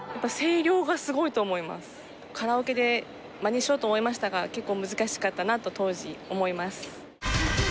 カラオケでまねしようと思いましたが結構難しかったなと当時思います。